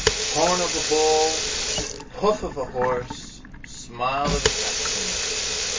Horn of a bull, hoof of a horse, smile of a Saxon.